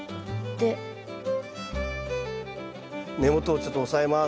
根元をちょっと押さえます。